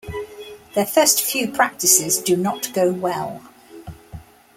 Their first few practices do not go well.